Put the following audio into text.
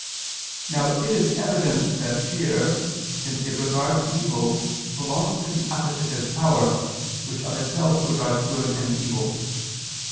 Now it is evident that fear, since it regards evil, belongs to the appetitive power, which of itself regards good and evil.